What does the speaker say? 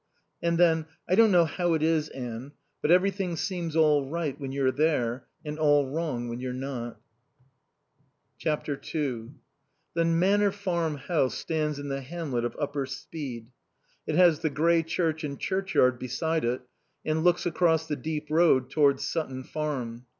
And then: "I don't know how it is, Anne. But everything seems all right when you're there, and all wrong when you're not." ii The Manor Farm house stands in the hamlet of Upper Speed. It has the grey church and churchyard beside it and looks across the deep road towards Sutton's farm.